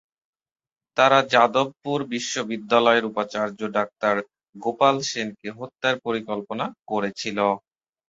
তারা যাদবপুর বিশ্ববিদ্যালয়ের উপাচার্য ডাক্তার গোপাল সেন কে হত্যার পরিকল্পনা করেছিল।